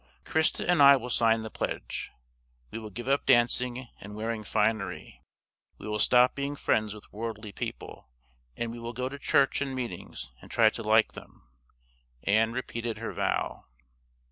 "Christa and I will sign the pledge. We will give up dancing and wearing finery. We will stop being friends with worldly people, and we will go to church and meetings, and try to like them." Ann repeated her vow.